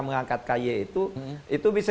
mengangkat ky itu itu bisa